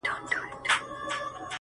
• ګل پر څانګه غوړېدلی باغ سمسور سو,